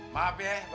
mana dia anak tadi